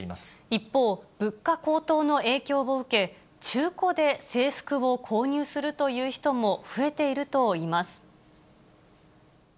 一方、物価高騰の影響を受け、中古で制服を購入するという人も増えているといいます。